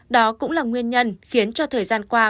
đó cũng là nguyên nhân khiến cho thời gian qua